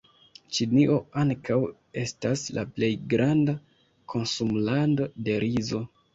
Ĉinio ankaŭ estas la plej granda konsumlando de rizo.